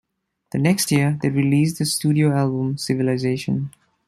The next year, they released the studio album "Civilization".